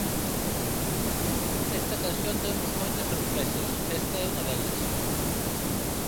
Esta canción deunos moitas sorpresas: esta é unha delas.